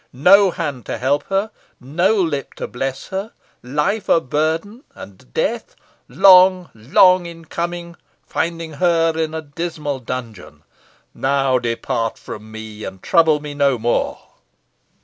No hand to help her no lip to bless her life a burden; and death long, long in coming finding her in a dismal dungeon. Now, depart from me, and trouble me no more."